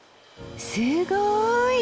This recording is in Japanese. すごい！